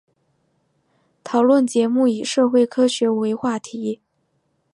讨论节目以社会科学为话题。